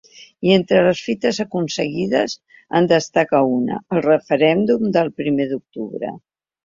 I entre les fites aconseguides, en destaca una, el referèndum del primer d’octubre.